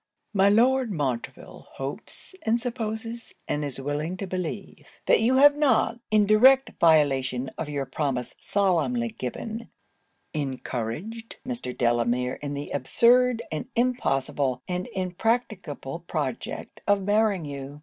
'My Lord Montreville hopes and supposes, and is willing to believe, that you have not, in direct violation of your promise solemnly given, encouraged Mr. Delamere in the absurd, and impossible, and impracticable project of marrying you.